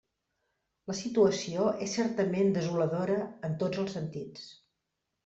La situació és certament desoladora en tots els sentits.